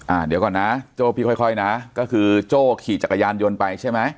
อ่าเดี๋ยวก่อนนะโจ้พี่ค่อยค่อยนะก็คือโจ้ขี่จักรยานยนต์ไปใช่ไหม